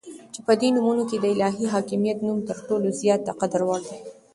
چې په دي نومونو كې دالهي حاكميت نوم تر ټولو زيات دقدر وړ دى